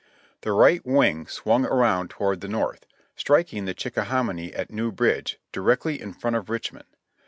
The right wing swung around toward the north, striking the Chickahominy at New Bridge, directly in front of Richmond.